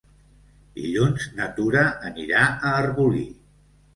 Dilluns na Tura anirà a Arbolí.